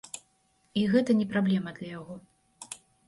І гэта не праблема для яго.